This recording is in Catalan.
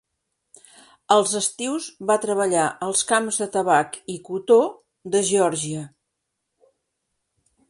Als estius va treballar als camps de tabac i cotó de Geòrgia.